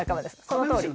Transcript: そのとおり。